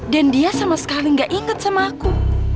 dan dia sama sekali gak inget sama aku